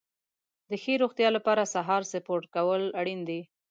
د ښې روغتیا لپاره سهار سپورت کول اړین دي.